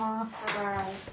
はい。